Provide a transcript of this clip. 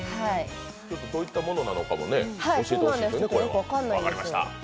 どういったものなのかも教えてほしいですね。